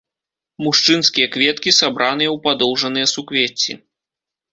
Мужчынскія кветкі сабраныя ў падоўжаныя суквецці.